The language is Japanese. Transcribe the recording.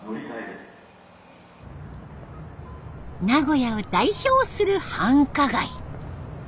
名古屋を代表する繁華街。